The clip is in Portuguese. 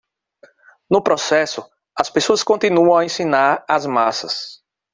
No processo, as pessoas continuam a ensinar as massas